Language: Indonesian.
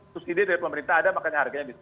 subsidi dari pemerintah ada makanya harganya bisa